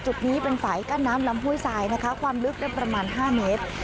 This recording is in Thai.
จุดนี้เป็นฝ่ายกั้นน้ำลำห้วยทรายนะคะความลึกได้ประมาณ๕เมตร